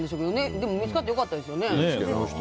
でも見つかってよかったですよね。